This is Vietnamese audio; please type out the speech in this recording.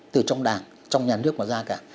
từ trong đảng trong nhà nước mà ra cả